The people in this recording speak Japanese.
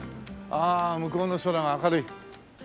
ああ向こうの空が明るい。